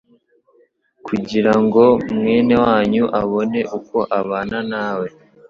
kugira ngo mwene wanyu abone uko abana nawe.